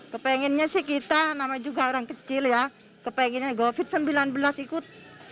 kepinginnya sih kita nama juga orang kecil ya kepinginnya gov sembilan belas ikut